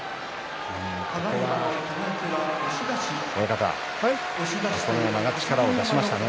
親方、朝乃山が力を出しましたね。